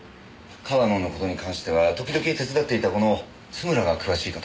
川野の事に関しては時々手伝っていたこの津村が詳しいかと。